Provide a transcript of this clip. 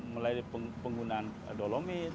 mulai dari penggunaan dolomit